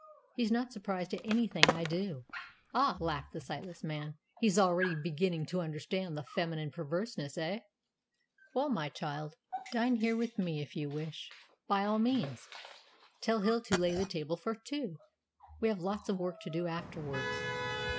He's not surprised at anything I do." "Ah!" laughed the sightless man, "he's already beginning to understand the feminine perverseness, eh? Well, my child, dine here with me if you wish, by all means. Tell Hill to lay the table for two. We have lots of work to do afterwards."